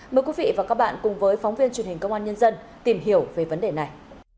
mời quý vị và các bạn cùng với phóng viên truyền hình công an nhân dân tìm hiểu về vấn đề này